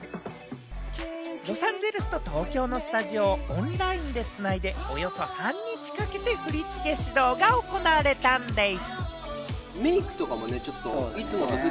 ロサンゼルスと東京のスタジオをオンラインでつないでおよそ半日かけて振り付け指導が行われたんでぃす！